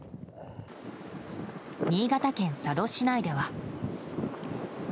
新潟県佐渡市内では。